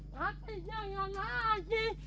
tapi jangan lagi